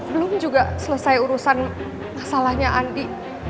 belum juga selesai urusan masalahnya andi